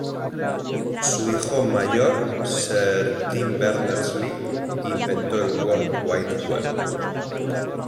Su hijo mayor, Sir Tim Berners-Lee, inventó el World Wide Web.